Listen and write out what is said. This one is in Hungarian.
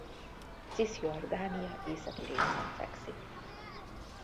Ciszjordánia északi részén fekszik.